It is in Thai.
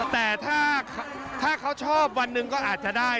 แต่ถ้าเขาชอบวันหนึ่งก็อาจจะได้